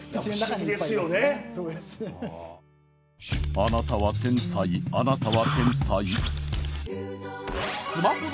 あなたは天才あなたは天才。